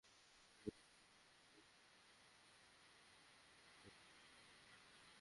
তানজিলা রংপুরের পীরগঞ্জ উপজেলার দুরামিথিপুর সরকারি প্রাথমিক বিদ্যালয়ের প্রথম শ্রেণির ছাত্রী ছিল।